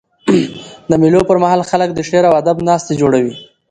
د مېلو پر مهال خلک د شعر او ادب ناستي جوړوي.